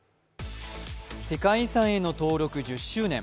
世界遺産への登録１０周年。